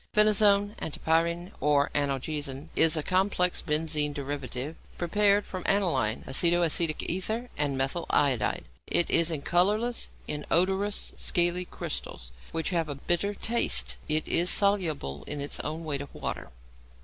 =Phenazone, Antipyrine, or Analgesin=, is a complex benzene derivative prepared from aniline, aceto acetic ether, and methyl iodide. It is in colourless, inodorous, scaly crystals, which have a bitter taste. It is soluble in its own weight of water.